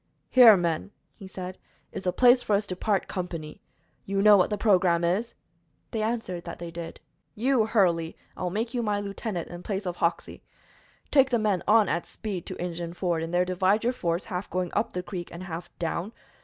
"Here, men," he said, "is the place for us to part company. You know what the programme is." They answered that they did. "You, Hurley, I will make my lieutenant in place of Hoxey. Take the men on at speed to Injun Ford, and there divide your force, half going up the creek and half down.